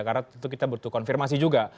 karena itu kita butuh konfirmasi juga